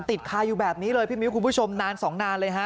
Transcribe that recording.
ติดคาอยู่แบบนี้เลยพี่มิ้วคุณผู้ชมนานสองนานเลยฮะ